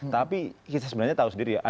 tapi kita sebenarnya tahu sendiri ya